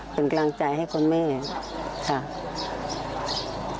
เป็นกลางจ่ายให้คนแม่